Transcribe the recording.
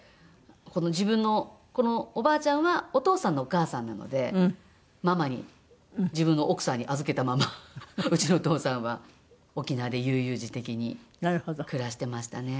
自分のこのおばあちゃんはお父さんのお母さんなのでママに自分の奥さんに預けたままうちのお父さんは沖縄で悠々自適に暮らしてましたね。